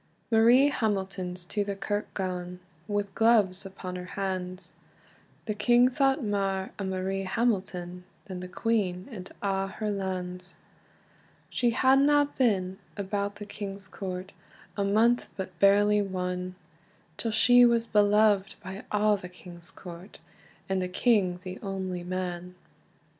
Marie Hamilton's to the kirk gane, Wi gloves upon her hands; The king thought mair o Marie Hamilton, Than the queen and a' her lands. She hadna been about the king's court A month, but barely one, Till she was beloved by a' the king's court, And the king the only man.